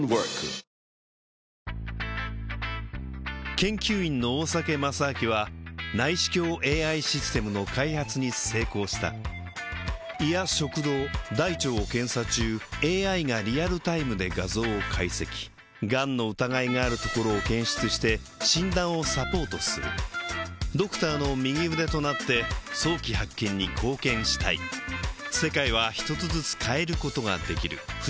研究員の大酒正明は内視鏡ＡＩシステムの開発に成功した胃や食道大腸を検査中ＡＩがリアルタイムで画像を解析がんの疑いがあるところを検出して診断をサポートするドクターの右腕となって早期発見に貢献したい・あっ！！